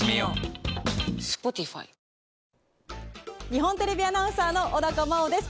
日本テレビアナウンサーの小高茉緒です。